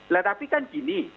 lah tapi kan gini